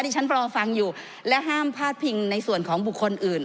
ที่ฉันรอฟังอยู่และห้ามพลาดพิงในส่วนของบุคคลอื่น